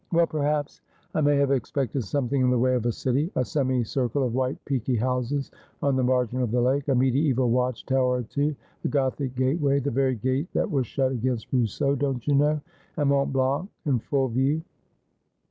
' Well, perhaps I may have expected something in the way of a city ; a semi circle of white peaky houses on the margin of the lake ; a mediseval watch tower or two ; a Gothic gateway, the very gate that was shut against Rousseau, don't you knov,r ; and Mont Blanc in full view.'